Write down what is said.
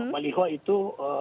mbak baliho itu